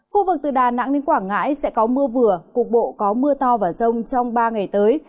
khu vực từ đà nẵng đến quảng ngãi sẽ có mưa vừa cục bộ có mưa to và rông trong ba ngày tới